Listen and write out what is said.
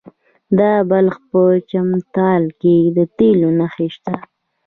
د بلخ په چمتال کې د تیلو نښې شته.